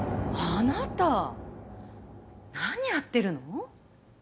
あなた何やってるの？